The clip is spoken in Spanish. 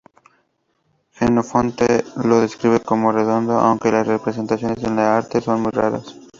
Jenofonte lo describe como "redondo", aunque las representaciones en el arte son muy raras.